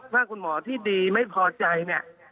ถ้าคุณหมอที่ดีไม่พอใจเนี่ย